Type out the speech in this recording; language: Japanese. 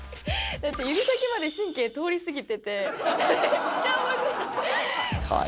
だって指先まで神経通り過ぎてて、めっちゃおもしろい。